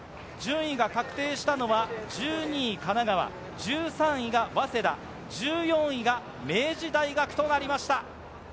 順位が確定したのは１２位・神奈川、１３位・早稲田、１４位・明治大学となりました。